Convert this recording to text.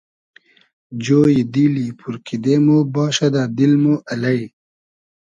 جۉیی دیلی پور کیدې مۉ باشۂ دۂ دیل مۉ الݷ